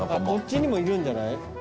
こっちにもいるんじゃない？